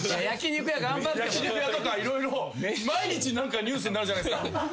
焼き肉屋とか色々毎日何かニュースになるじゃないですか。